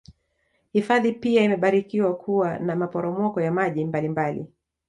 Hifadhi pia imebarikiwa kuwa na maporopoko ya maji mbali mbali